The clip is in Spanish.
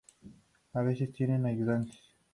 A veces tienen ayudantes.